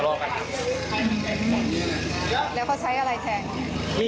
พร้อมเมียมาตามกลับบ้านแล้วตะเลาะกันไหม